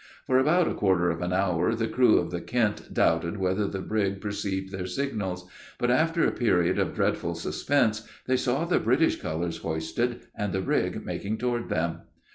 For about a quarter of an hour, the crew of the Kent doubted whether the brig perceived their signals: but after a period of dreadful suspense, they saw the British colors hoisted, and the brig making toward them.